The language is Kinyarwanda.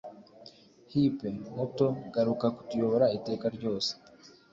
hipe, muto, garuka kutuyobora iteka ryose